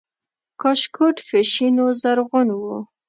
کاشکوټ ښه شین و زرغون و